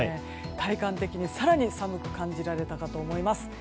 体感的に、更に寒く感じられた方と思います。